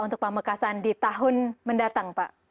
untuk pamekasan di tahun mendatang pak